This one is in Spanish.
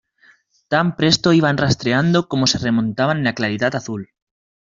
tan presto iban rastreando como se remontaban en la claridad azul.